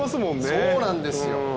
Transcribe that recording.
そうなんですよ。